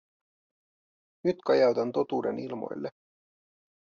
Nyt kajautan totuuden ilmoille.